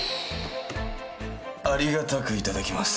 ありがたく頂きます。